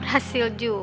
berhasil juga jebakan gue